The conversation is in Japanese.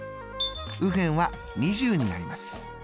右辺は２０になります。